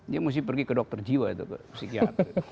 dia harus pergi ke dokter jiwa itu ke psikiater